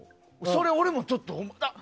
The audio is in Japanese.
それ、俺もちょっと思った。